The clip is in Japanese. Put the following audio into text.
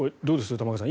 玉川さん